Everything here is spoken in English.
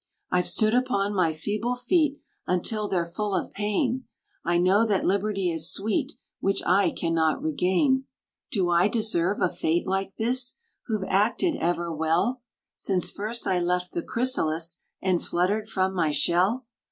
"I've stood upon my feeble feet Until they're full of pain. I know that liberty is sweet, Which I cannot regain. "Do I deserve a fate like this, Who've ever acted well, Since first I left the chrysalis, And fluttered from my shell?